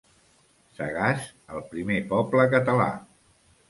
Sagàs, el primer poble català.